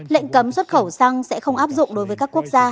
lệnh cấm xuất khẩu xăng sẽ không áp dụng đối với các quốc gia